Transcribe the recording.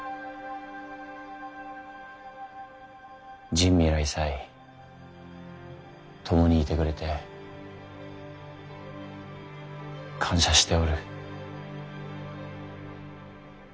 尽未来際共にいてくれて感謝しておる。